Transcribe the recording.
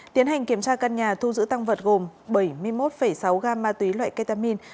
tiến hành kiểm tra căn nhà thu giữ tăng vật gồm bảy mươi một sáu gam ma túy loại ketamin